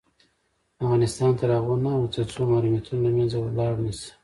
افغانستان تر هغو نه ابادیږي، ترڅو محرومیتونه له منځه لاړ نشي.